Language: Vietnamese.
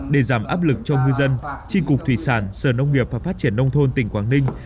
để giảm áp lực cho ngư dân tri cục thủy sản sở nông nghiệp và phát triển nông thôn tỉnh quảng ninh